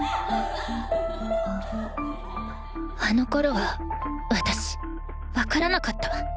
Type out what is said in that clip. あのころは私分からなかった。